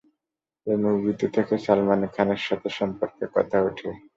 এই মুভিতে থেকে সালমান খানের সাথে সম্পর্কের কথা উঠে।